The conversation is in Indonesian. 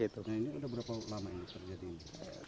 ini berapa lama ini terjadi